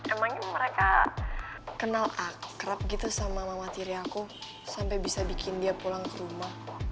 emangnya mereka kenal akrab gitu sama mama tiri aku sampai bisa bikin dia pulang ke rumah